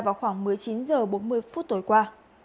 vào khoảng một mươi chín h bốn mươi phút tối qua